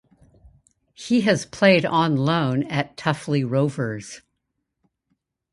He has played on loan at Tuffley Rovers.